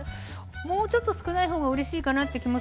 もうちょっと少ない方がうれしいかなという気も